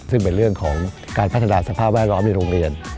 ซึ่งเป็นเรื่องของการพัฒนาสภาพแวดล้อมในโรงเรียน